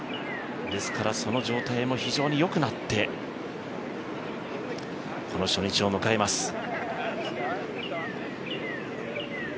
ですからその状態も非常に良くなってこの初日を迎えます。